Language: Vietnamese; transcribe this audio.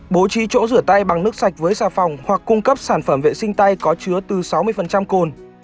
bố trí chỗ rửa tay bằng nước sạch với xà phòng hoặc cung cấp sản phẩm vệ sinh tay có chứa từ sáu mươi cồn